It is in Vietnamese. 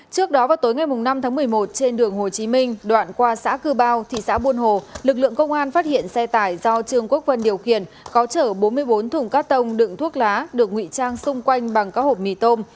trước đó vào tối ngày năm tháng một mươi một trên đường hồ chí minh đoạn qua xã cư bao thị xã buôn hồ lực lượng công an phát hiện xe tải do trương quốc vân điều khiển có chở bốn mươi bốn thùng cát tông đựng thuốc lá được nguy trang xung quanh bằng các hộp mì tôm